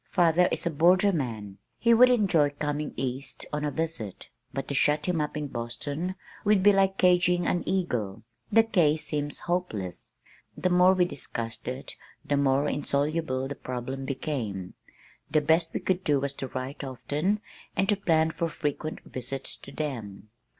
Father is a borderman. He would enjoy coming east on a visit, but to shut him up in Boston would be like caging an eagle. The case seems hopeless." The more we discussed it the more insoluble the problem became. The best we could do was to write often and to plan for frequent visits to them.